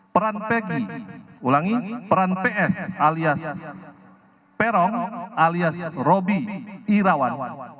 peran pegi ulangi peran ps alias peron alias robi irawan